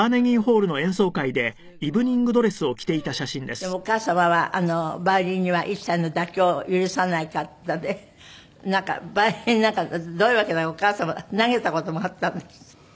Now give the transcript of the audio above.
でもお母様はヴァイオリンには一切の妥協を許さなかったのでなんかヴァイオリンどういうわけだかお母様投げた事もあったんですって？